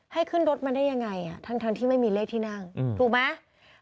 ให้ขึ้นรถมาได้ยังไงทั้งที่ไม่มีเลขที่นั่งถูกไหม